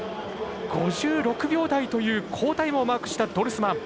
５６秒台という好タイムをマークしたドルスマン。